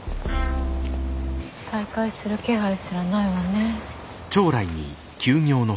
再開する気配すらないわねぇ。